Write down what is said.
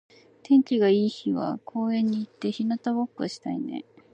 天気が良い日は公園に行って日向ぼっこしたいね。